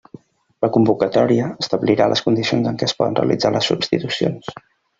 La convocatòria establirà les condicions en què es poden realitzar les substitucions.